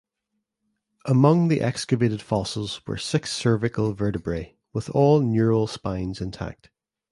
Among the excavated fossils were six cervical vertebrae with all neural spines intact.